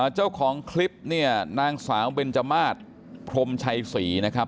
เจ้าของคลิปเนี่ยนางสาวเบนจมาสพรมชัยศรีนะครับ